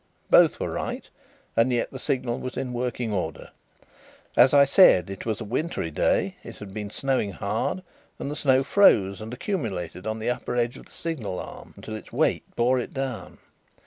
Both were right, and yet the signal was in working order. As I said, it was a winterly day; it had been snowing hard and the snow froze and accumulated on the upper edge of the signal arm until its weight bore it down.